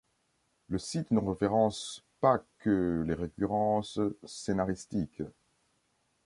Le site ne référence pas que les récurrences scénaristiques.